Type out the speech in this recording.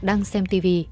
đang xem tv